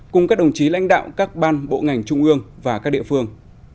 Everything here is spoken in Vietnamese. cùng các đồng chí lãnh đạo các ban bộ ngành trung ương và các địa phương